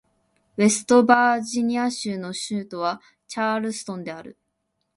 ウェストバージニア州の州都はチャールストンである